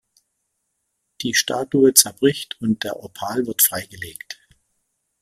Die Statue zerbricht und der Opal wird freigelegt.